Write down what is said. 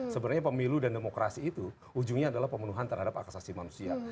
sebenarnya pemilu dan demokrasi itu ujungnya adalah pemenuhan terhadap hak asasi manusia